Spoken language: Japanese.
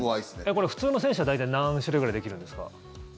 これ、普通の選手は大体何種類ぐらいできるんですか？